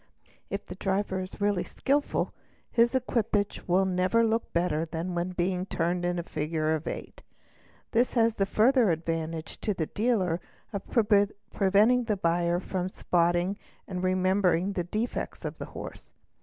If the driver is really skilful his equipage will never look better than when being turned in a figure of eight; this has the further advantage to the dealer of preventing the buyer from spot ing and remembering the defects of the horse.